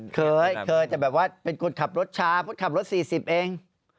เคยแต่แบบว่าเป็นคนขับรถช้าคนขับรถสี่สิบเอง